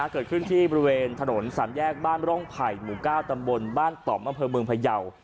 เกิดขึ้นที่บริเวณถนนสามแยกบ้านร่องไผ่หมู่ก้าวตำบลบ้านตอบมะเผิมเมืองพะเยา